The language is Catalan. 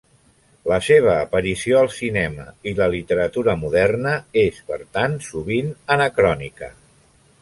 La seva aparició al cinema i la literatura moderna és, per tant, sovint anacrònica.